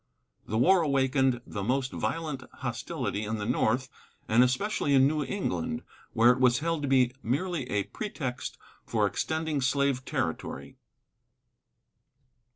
The war awakened the most violent hostility in the North, and especially in New England, where it was held to be merely a pretext for extending slave territory.